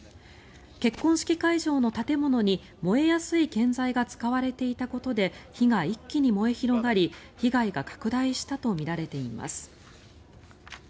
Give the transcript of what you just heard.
結婚式会場の建物に燃えやすい建材が使われていたことで火が一気に燃え広がり被害が拡大したとみられています。